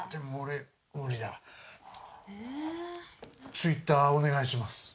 チュイッターお願いします。